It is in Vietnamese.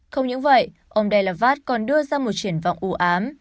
không những vậy ông dalavad còn đưa ra một triển vọng ưu ám